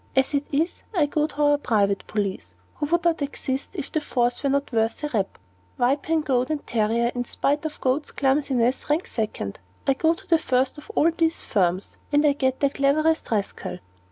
As it is, I go to our private police, who would not exist if the force were worth a rap. Vypan, Goad, and Terryer, in spite of Goad's clumsiness, rank second. I go to the first of all these firms, and I get their very cleverest rascal."